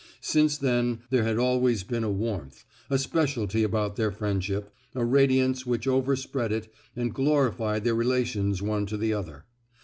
Since then there had always been a warmth, a speciality about their friendship, a radiance which overspread it and glorified their relations one to the other.